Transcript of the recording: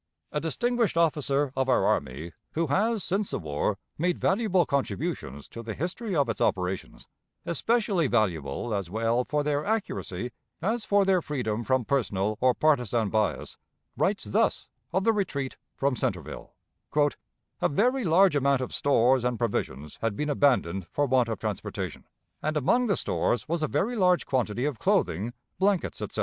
A distinguished officer of our army, who has since the war made valuable contributions to the history of its operations especially valuable as well for their accuracy as for their freedom from personal or partisan bias writes thus of the retreat from Centreville: "A very large amount of stores and provisions had been abandoned for want of transportation, and among the stores was a very large quantity of clothing, blankets etc.